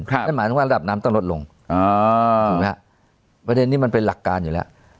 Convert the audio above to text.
นั่นหมายถึงว่าระดับน้ำต้องลดลงประเด็นนี้มันเป็นหลักการอยู่แล้ว